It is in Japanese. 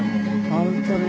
本当に。